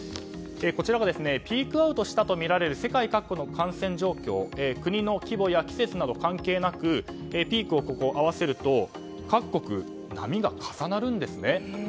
こちらはピークアウトしたとみられる世界各国の感染状況国の規模や季節など関係なくピークを真ん中に合わせると各国、波が重なるんですね。